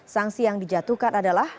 sangsi yang dijatuhkan adalah